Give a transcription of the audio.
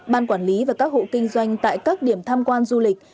ban quản lý và các hộ kinh doanh tại các điểm tham quan du lịch